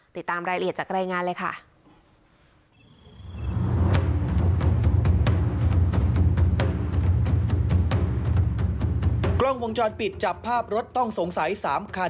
ติดตามรายละเอียดจากรายงานเลยค่ะ